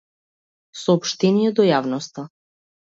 Сооштение до јавноста.